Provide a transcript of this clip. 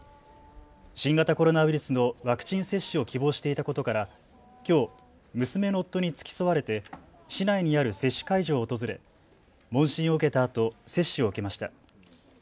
新型コロナウイルスのワクチン接種を希望していたことからきょう娘の夫に付き添われて市内にある接種会場を訪れ問診を受けたあと接種を受けました。